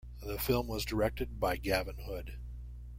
The film was directed by Gavin Hood.